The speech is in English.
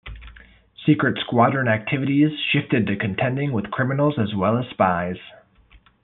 Secret Squadron activities shifted to contending with criminals as well as spies.